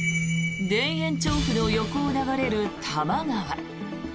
田園調布の横を流れる多摩川。